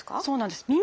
そうなんです。